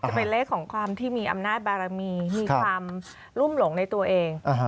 จะเป็นเลขของความที่มีอำนาจบารมีมีความรุ่มหลงในตัวเอง